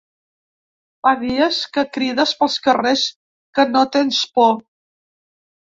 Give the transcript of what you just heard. Fa dies que crides pels carrers que no tens por.